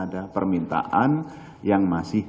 ada permintaan yang masih